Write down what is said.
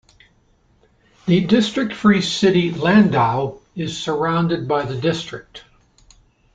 The district-free city Landau is surrounded by the district.